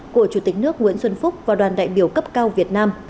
của chủ tịch nước nguyễn xuân phúc và đoàn đại biểu cấp cao việt nam